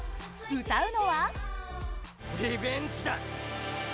歌うのは。